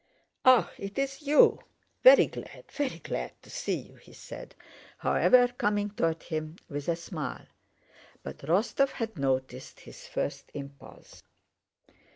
"Ah, it's you? Very glad, very glad to see you," he said, however, coming toward him with a smile. But Rostóv had noticed his first impulse.